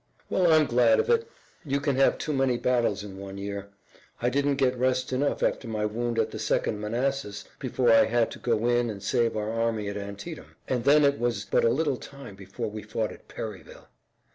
"Well, I'm glad of it. You can have too many battles in one year. I didn't get rest enough after my wound at the Second Manassas before I had to go in and save our army at Antietam, and then it was but a little time before we fought at Perryville.